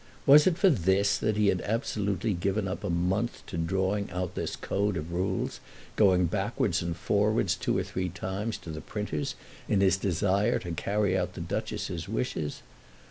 Was it for this that he had absolutely given up a month to drawing out this code of rules, going backwards and forwards two or three times to the printers in his desire to carry out the Duchess's wishes?